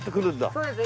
そうですね。